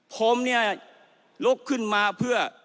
ผมเนี่ยลุกขึ้นมาเพื่อ